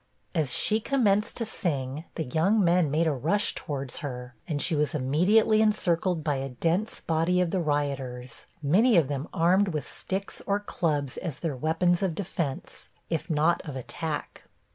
As she commenced to sing, the young men made a rush towards her, and she was immediately encircled by a dense body of the rioters, many of them armed with sticks or clubs as their weapons of defence, if not of attack.